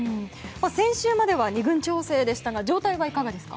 先週までは２軍調整でしたが状態はいかがですか？